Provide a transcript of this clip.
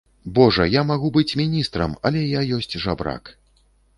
Божа, я магу быць міністрам, але я ёсць жабрак.